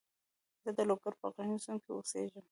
زه د لوګر په غرنیو سیمو کې اوسېږم.